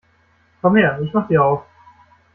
Komm her, ich mache dir auf!